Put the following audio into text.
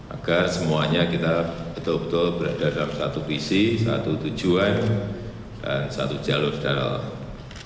agar semuanya kita betul betul berada dalam satu visi satu tujuan dan satu jalur dalam